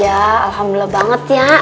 alhamdulillah banget ya